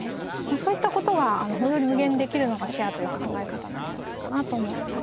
そういった事が本当に無限にできるのがシェアという考え方なんじゃないかなと思います。